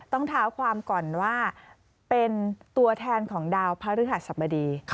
ต้องเท้าความก่อนว่าเป็นตัวแทนของดาวพระฤหัสบดี